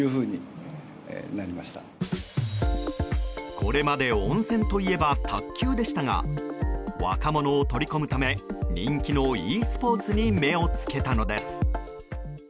これまで温泉といえば卓球でしたが若者を取り込むため人気のｅスポーツに目を付けたのです。